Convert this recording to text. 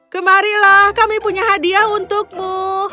kemarilah kami punya hadiah untukmu